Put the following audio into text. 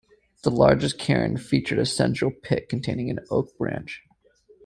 The largest cairn featured a central pit containing an oak branch.